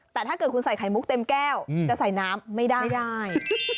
แต่ถ้าเกิดคุณใส่ไข่มุกเต็มแก้วจะใส่น้ำไม่ได้